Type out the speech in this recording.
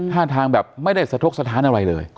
ท่าทางแบบไม่ได้สะทกสถานอะไรเลย